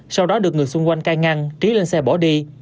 sau đó được người xung quanh cai ngăn trí lên xe bỏ đi